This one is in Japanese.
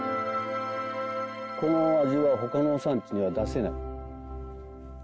この味は他の産地では出せない。